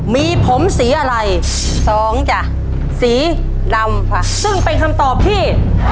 มีผมสีอะไรสองจ้ะสีดำค่ะซึ่งเป็นคำตอบที่